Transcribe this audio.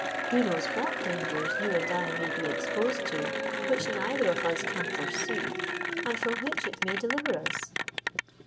Who knows what dangers you and I may be exposed to, which neither of us can foresee, and from which it may deliver us."